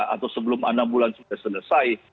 atau sebelum enam bulan sudah selesai